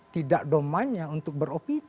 tidak domanya untuk beropini